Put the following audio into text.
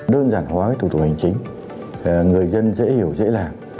đơn giản hóa cái thủ tục hành chính người dân dễ hiểu dễ làm